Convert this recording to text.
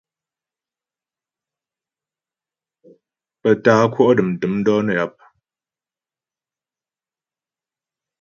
Pə tá'a kwɔ' dəm tə̂m dɔ̌ nə́ yap.